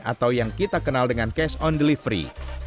atau yang kita kenal dengan cash on delivery